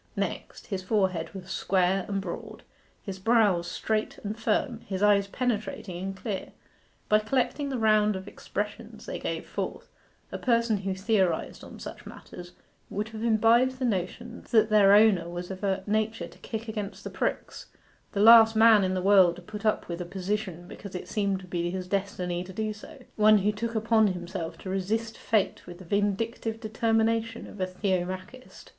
Next, his forehead was square and broad, his brows straight and firm, his eyes penetrating and clear. By collecting the round of expressions they gave forth, a person who theorized on such matters would have imbibed the notion that their owner was of a nature to kick against the pricks; the last man in the world to put up with a position because it seemed to be his destiny to do so; one who took upon himself to resist fate with the vindictive determination of a Theomachist.